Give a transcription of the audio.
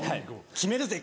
決めるぜ！